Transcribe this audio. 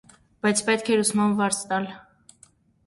Բայց պետք էր ուսման վարձ տալ: